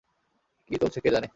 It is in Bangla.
কি চলছে কে জানে!